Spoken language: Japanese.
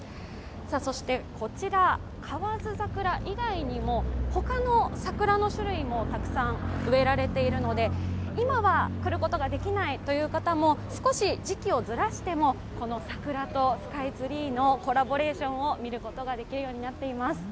こちら河津桜以外にも他の桜の種類もたくさん植えられているので今は来ることができない方も少し時期をずらしてもこの桜とスカイツリーのコラボレーションを見ることができるようになっています。